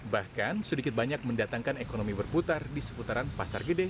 bahkan sedikit banyak mendatangkan ekonomi berputar di seputaran pasar gede